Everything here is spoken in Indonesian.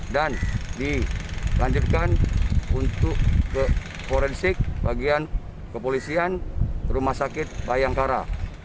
dan dilanjutkan untuk ke korensik bagian kepolisian rumah sakit bayangkara